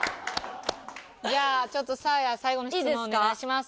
じゃあちょっとサーヤ最後の質問お願いします。